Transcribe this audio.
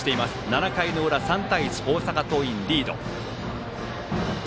７回裏、３対１と大阪桐蔭がリード。